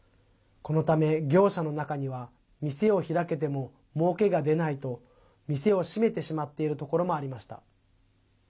このため、業者の中には店を開けても、もうけが出ないと店を閉めてしまっているところもありました。